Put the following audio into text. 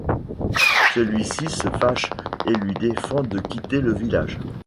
Celui-ci se fâche et lui défend de quitter le village.